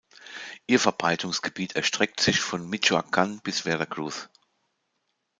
Ihr Verbreitungsgebiet erstreckt sich von Michoacán bis Veracruz.